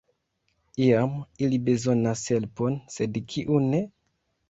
Iam ili bezonas helpon, sed kiu ne?